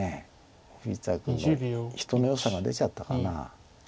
富士田君の人のよさが出ちゃったかな。